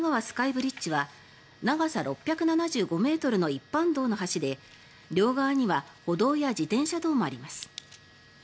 スカイブリッジは長さ６７５ｍの一般道の橋で両側には歩道や自転車道もあります。